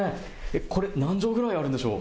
これ何畳ぐらいあるんでしょう？